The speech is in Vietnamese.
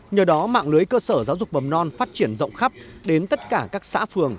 nhờ đó mạng lưới cơ sở giáo dục mầm non phát triển rộng khắp đến tất cả các xã phường